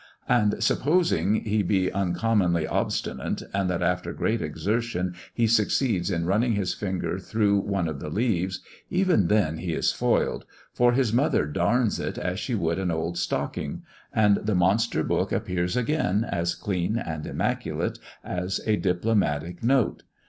And, supposing, he be uncommonly obstinate, and that after great exertion he succeeds in running his finger through one of the leaves; even then he is foiled, for his mother darns it as she would an old stocking; and the monster book appears again as clean and immaculate as a diplomatic note.